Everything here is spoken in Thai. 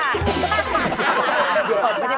ไม่ได้บอกกันมาก่อน